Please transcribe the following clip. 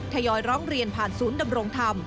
ทยอยร้องเรียนผ่านศูนย์ดำรงธรรม